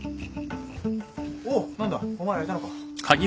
おっ何だお前らいたのか。